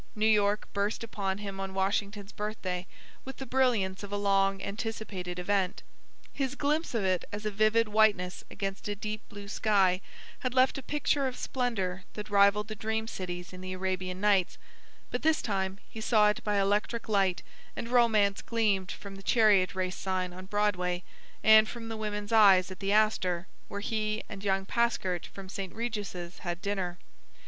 New York burst upon him on Washington's Birthday with the brilliance of a long anticipated event. His glimpse of it as a vivid whiteness against a deep blue sky had left a picture of splendor that rivalled the dream cities in the Arabian Nights; but this time he saw it by electric light, and romance gleamed from the chariot race sign on Broadway and from the women's eyes at the Astor, where he and young Paskert from St. Regis' had dinner.